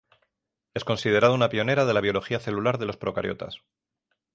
Es considerada una pionera de la biología celular de los procariotas.